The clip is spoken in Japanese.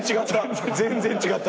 全然違った。